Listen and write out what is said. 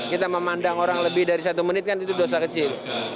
kita memandang orang lebih dari satu menit kan itu dosa kecil